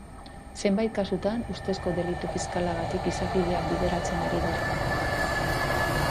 Zenbait kasutan ustezko delitu fiskalagatik izapideak bideratzen ari dira.